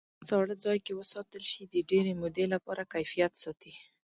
که په ساړه ځای کې وساتل شي د ډېرې مودې لپاره کیفیت ساتي.